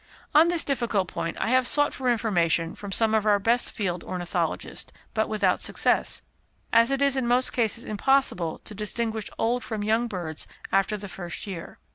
On this difficult point I have sought for information from some of our best field ornithologists, but without success, as it is in most cases impossible to distinguish old from young birds after the first year.